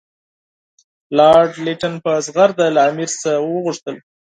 لارډ لیټن په زغرده له امیر څخه وغوښتل.